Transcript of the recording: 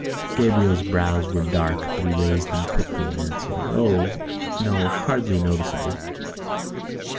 Gabriel's brows were dark but he raised them quickly and answered: "O, no, hardly noticeable."